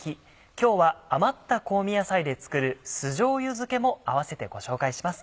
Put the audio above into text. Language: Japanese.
今日は余った香味野菜で作る酢じょうゆ漬けも併せてご紹介します。